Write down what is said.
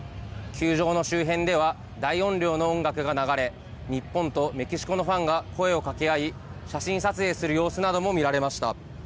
球場の周辺では、大音量の音楽が流れ、日本とメキシコのファンが声をかけ合い、写真撮影する様子なども見られました。